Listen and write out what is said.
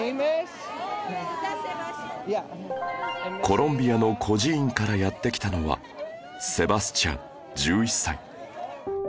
コロンビアの孤児院からやって来たのはセバスチャン１１歳